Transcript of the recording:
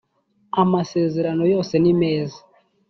amasezerano yose nimeza.